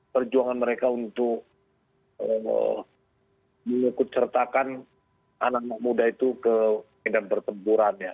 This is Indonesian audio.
perjuangan mereka untuk mengikut sertakan anak anak muda itu ke medan pertempuran ya